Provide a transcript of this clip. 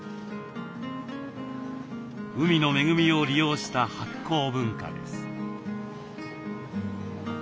海の恵みを利用した発酵文化です。